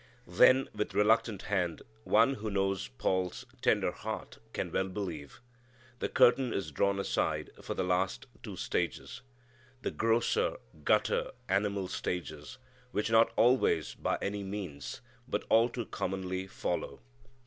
Then with reluctant hand, one who knows Paul's tender heart can well believe, the curtain is drawn aside for the last two stages; the grosser, gutter, animal stages, which, not always by any means, but all too commonly follow.